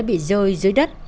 sẽ bị rơi dưới đất